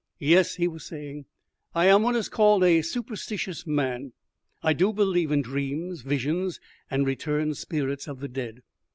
"Yes," he was saying, "I am what is called a superstitious man. I believe in dreams, visions, and returned spirits of the dead.